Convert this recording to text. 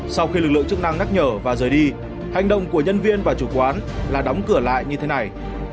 sau khi lực lượng chức năng nhắc nhở và rời đi hành động của nhân viên và chủ quán là đóng cửa lại như thế này